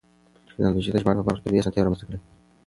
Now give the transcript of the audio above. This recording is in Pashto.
تکنالوژي د ژباړې په برخه کې لویې اسانتیاوې رامنځته کړې دي.